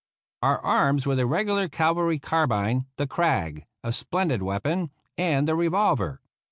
Our arms were the regular cavalry carbine, the "Krag," a splendid weapon, and the revolver.